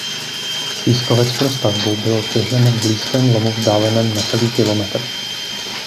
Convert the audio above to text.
Pískovec pro stavbu byl těžen v blízkém lomu vzdáleném necelý kilometr.